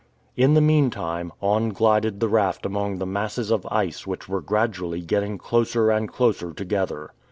In the meantime, on glided the raft among the masses of ice which were gradually getting closer and closer together.